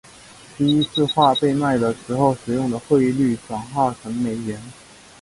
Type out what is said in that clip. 自第一次画被卖的时候使用的汇率转换成美元。